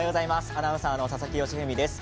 アナウンサーの佐々木芳史です。